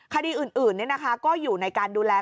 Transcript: คดีอื่นก็อยู่ในการดูแล